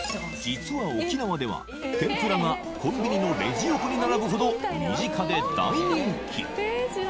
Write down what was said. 実は沖縄では天ぷらがコンビニのレジ横に並ぶほど身近で大人気！